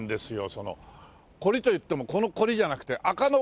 そのこりといってもこのこりじゃなくて垢の。